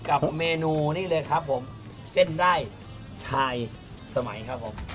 กับเมนูนี่เลยครับผมเส้นได้ชายสมัยครับผม